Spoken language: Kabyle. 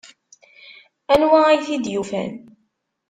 Anwa ay t-id-yufan?